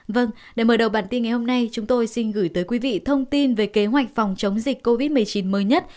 vâng để mở đầu bản tin ngày hôm nay chúng tôi xin gửi tới quý vị thông tin về kế hoạch phòng chống dịch covid một mươi chín mới nhất